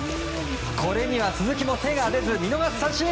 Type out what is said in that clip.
これには鈴木も手が出ず見逃し三振。